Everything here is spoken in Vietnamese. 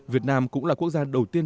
việt nam cũng là quốc gia đầu tiên